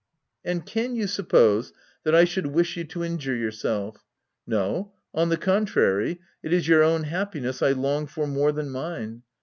" And can you suppose that I should wish you to injure yourself? — No; on the contrary, it is your own happiness I long for more than mine.